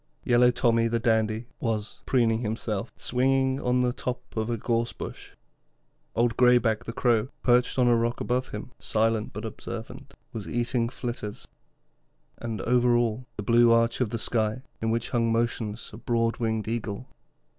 Yellow Tommy, the dandy, was preening himself, swinging on the top of a gorse bush. Old Greyback, the Crow, perched on a rock above him, silent but observant, was eating flitters; and over all, the blue arch of the sky, in which hung motionless a broad winged eagle.